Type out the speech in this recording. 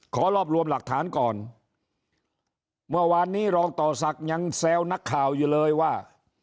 ขอรวบรวมหลักฐานก่อนเมื่อวานนี้รองต่อศักดิ์ยังแซวนักข่าวอยู่เลยว่า